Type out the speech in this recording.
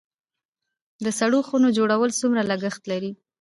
د سړو خونو جوړول څومره لګښت لري؟